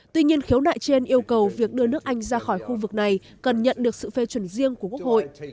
tuy nhiên khiếu nại trên yêu cầu việc đưa nước anh ra khỏi khu vực này cần nhận được sự phê chuẩn riêng của quốc hội